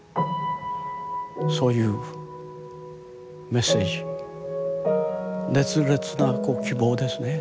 そういうメッセージ熱烈な希望ですね。